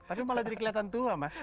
tapi malah jadi kelihatan tua mas